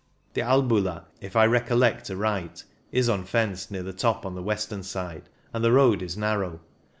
The Albula, if I recollect aright, is unfenced near the top on the western side, and the road is narrow.